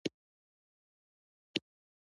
دویم مشروطیت د لومړي دوام او پړاو و.